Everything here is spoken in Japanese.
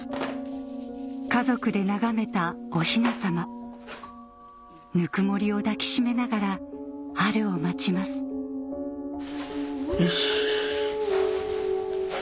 家族で眺めたおひなさまぬくもりを抱き締めながら春を待ちますよし。